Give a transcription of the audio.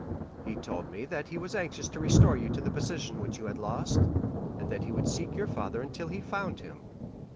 He told me that he was anxious to restore you to the position which you had lost, and that he would seek your father until he found him.